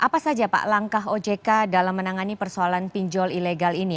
apa saja pak langkah ojk dalam menangani persoalan pinjol ilegal ini